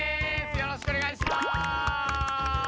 よろしくお願いします！